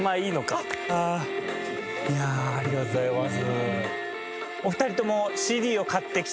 いやあありがとうございます。